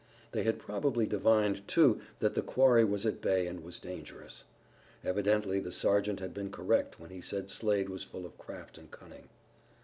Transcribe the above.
They had probably divined, too, that the quarry was at bay and was dangerous. Evidently the sergeant had been correct when he said Slade was full of craft and cunning.